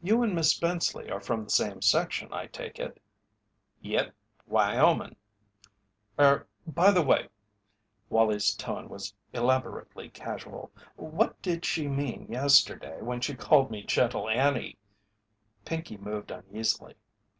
"You and Miss Spenceley are from the same section, I take it?" "Yep Wyomin'." "Er by the way" Wallie's tone was elaborately casual "what did she mean yesterday when she called me 'Gentle Annie'?" Pinkey moved uneasily.